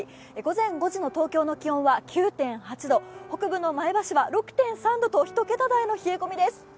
午前５時の東京の気温は９．８度、北部の前橋は６．３度と１桁台の冷え込みです。